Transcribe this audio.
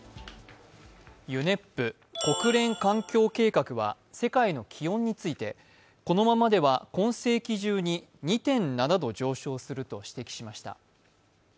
ＵＮＥＰ＝国際環境計画は世界の気温についてこのままでは今世紀中に２．７度上昇すると指摘しました。